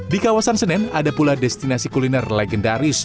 di kawasan senen ada pula destinasi kuliner legendaris